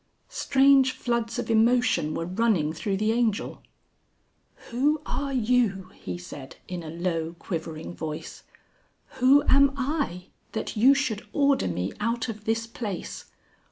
Strange floods of emotion were running through the Angel. "Who are you," he said, in a low quivering voice; "who am I that you should order me out of this place?